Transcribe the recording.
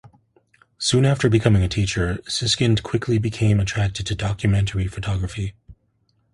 Soon after becoming a teacher, Siskind quickly became attracted to documentary photography.